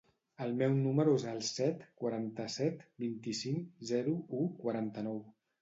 El meu número es el set, quaranta-set, vint-i-cinc, zero, u, quaranta-nou.